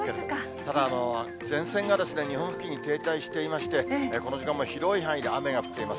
ただ、前線が日本付近に停滞していまして、この時間も広い範囲で雨が降っています。